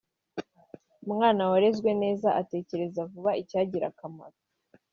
umwana warezwe neza atekereza vuba icyagira akamaro